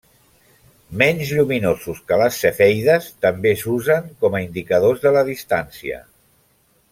Menys lluminosos que les cefeides, també s'usen com a indicadors de la distància.